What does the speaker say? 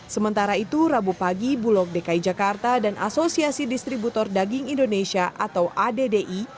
sementara itu rabu pagi bulog dki jakarta dan asosiasi distributor daging indonesia atau addi